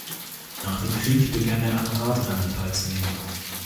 Nach dem Krieg begann er an Radrennen teilzunehmen.